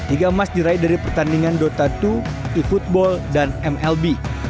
tiga emas diraih dari pertandingan dota dua e football dan mlb